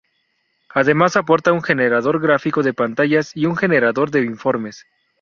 Además aporta un generador "gráfico" de pantallas y un generador de informes.